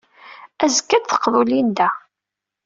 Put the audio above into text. Azekka, ad d-teqḍu Linda.